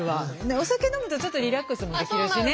お酒飲むとちょっとリラックスもできるしね。